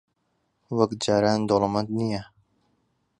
وەک جاران دەوڵەمەند نییە.